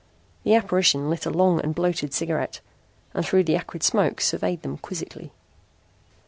The apparition lit a long and bloated cigarette and through the acrid smoke surveyed them quizzically.